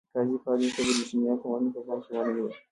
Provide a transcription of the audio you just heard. قاضي کالینز د برېټانیا قوانین په پام کې ونه نیول.